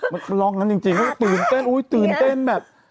มันก็ลองนั้นจริงตื่นเต้นแบบ